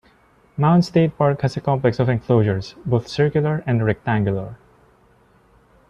Mounds State Park has a complex of enclosures, both circular and rectangular.